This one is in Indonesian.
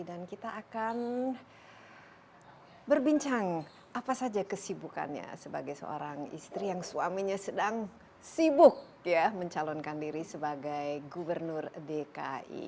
dan kita akan berbincang apa saja kesibukannya sebagai seorang istri yang suaminya sedang sibuk mencalonkan diri sebagai gubernur dki